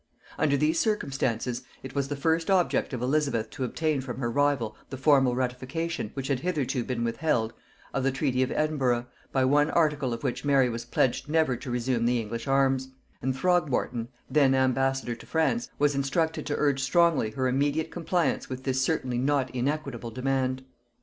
Under these circumstances, it was the first object of Elizabeth to obtain from her rival the formal ratification, which had hitherto been withheld, of the treaty of Edinburgh, by one article of which Mary was pledged never to resume the English arms; and Throgmorton, then ambassador to France, was instructed to urge strongly her immediate compliance with this certainly not inequitable demand.